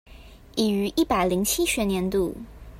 已於一百零七學年度